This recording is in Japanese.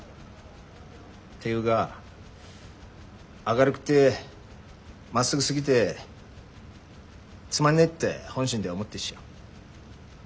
っていうか明るくてまっすぐすぎでつまんねえって本心では思ってっしょ。